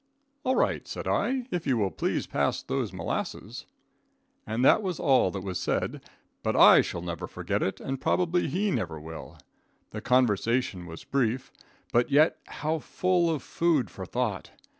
"All right," said I, "if you will please pass those molasses." That was all that was said, but I shall never forget it, and probably he never will. The conversation was brief, but yet how full of food for thought!